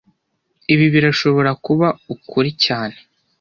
Ibi birashobora kuba ukuri cyane